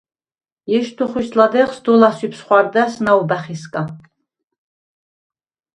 ეშდუ̂ოხუ̂იშდ ლადეღს დოლა̈სუ̂იფს ხუ̂არდა̈ს ნაუბა̈ხისგა.